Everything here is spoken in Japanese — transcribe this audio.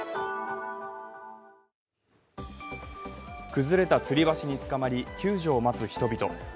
崩れたつり橋につかまり救助を待つ人々。